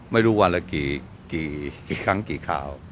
ไม่รู้วันละกี่ครั้งกี่ข่าว